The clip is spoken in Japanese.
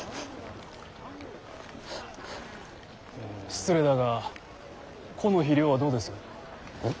失礼だがこの肥料はどうです？